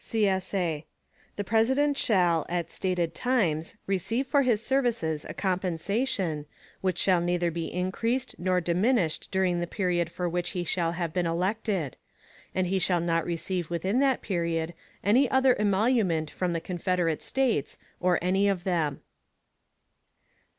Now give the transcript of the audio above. [CSA] The President shall, at stated times, receive for his services a compensation, which shall neither be increased nor diminished during the period for which he shall have been elected; and he shall not receive within that period any other emolument from the Confederate States, or any of them.